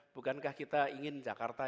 bukankah kita ingin jakarta